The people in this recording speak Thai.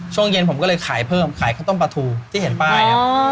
ช่วงเย็นผมก็เลยขายเพิ่มขายข้าวต้มปลาทูที่เห็นป้ายครับ